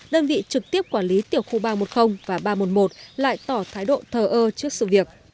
đơn vị trực tiếp quản lý tiểu khu ba trăm một mươi và ba trăm một mươi một lại tỏ thái độ thờ ơ trước sự việc